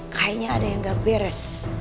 kayaknya ada yang gak beres